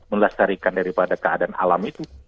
melestarikan daripada keadaan alam itu